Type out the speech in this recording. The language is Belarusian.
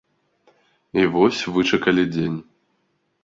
І вось вычакалі дзень.